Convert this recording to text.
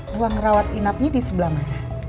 ruang rawat inapnya di sebelah mana